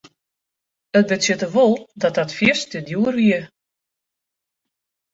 It betsjutte wol dat dat fierste djoer wie.